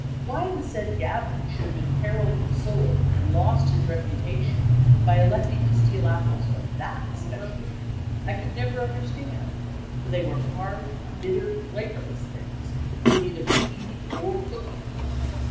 Why the said Gavin should have imperiled his soul and lost his reputauon by electing to steal apples from that especial tree I could never understand, for they were hard, bitter, flavourless things, good neither for eating or cooking.